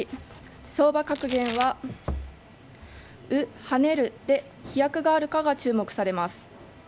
相場格言は卯、跳ねるで飛躍があるかが注目されます。